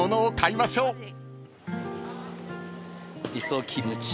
磯キムチ。